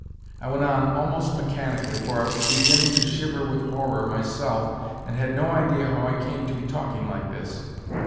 I went on almost mechanically, for I was begin ning to shiver with horror myself and had no idea how I came to be talking like this.